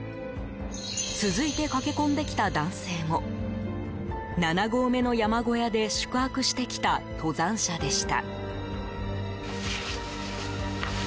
続いて駆け込んできた男性も７合目の山小屋で宿泊してきた登山者でした。